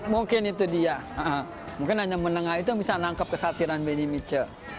mungkin itu dia mungkin hanya menengah itu yang bisa nangkep kesatiran benny miche